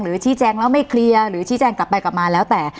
ชี้แจงแล้วไม่เคลียร์หรือชี้แจงกลับไปกลับมาแล้วแต่